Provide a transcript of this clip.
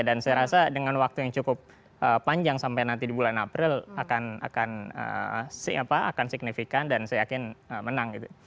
dan saya rasa dengan waktu yang cukup panjang sampai nanti di bulan april akan signifikan dan saya yakin menang gitu